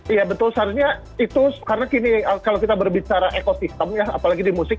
iya betul seharusnya itu karena kalau kita berbicara ekosistem ya apalagi di musik